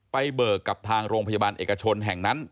เบิกกับทางโรงพยาบาลเอกชนแห่งนั้น